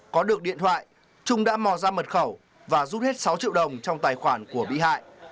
có được điện thoại trung đã mò ra mật khẩu và rút hết sáu triệu đồng trong tài khoản của bị hại